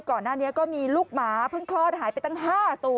ก่อนหน้านี้ก็มีลูกหมาเพิ่งคลอดหายไปตั้ง๕ตัว